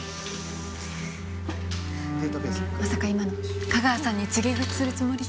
まさか今の架川さんに告げ口するつもりじゃ。